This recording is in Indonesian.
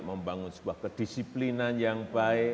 membangun sebuah kedisiplinan yang baik